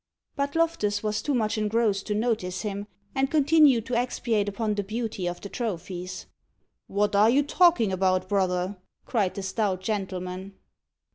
But Loftus was too much engrossed to notice him, and continued to expiate upon the beauty of the trophies. "What are you talking about, brother?" cried the stout gentleman.